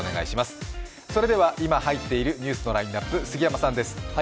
それでは今入っているニュースのラインナップ、杉山さんです。